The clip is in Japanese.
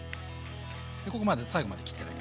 ここまで最後まで切ってない。